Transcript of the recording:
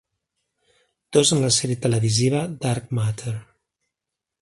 Dos en la sèrie televisiva "Dark Matter".